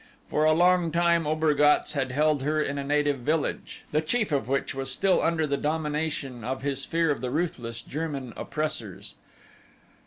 For a long time Obergatz had held her in a native village, the chief of which was still under the domination of his fear of the ruthless German oppressors.